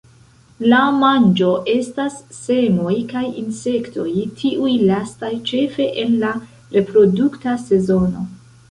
La manĝo estas semoj kaj insektoj, tiuj lastaj ĉefe en la reprodukta sezono.